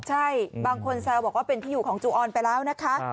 ใช่บางคนแซวบอกว่าเป็นที่อยู่ของจูออนไปแล้วนะคะ